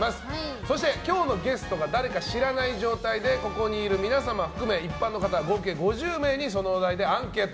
そして今日のゲストが誰か知らない状態でここにいる皆様含め一般の方合計５０名にそのお題でアンケート。